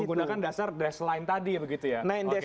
menggunakan dasar dash line tadi ya begitu ya